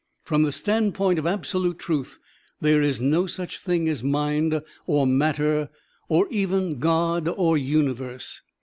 From the standpoint of absolute truth, there is no such thing as mind or matter or even God or universe.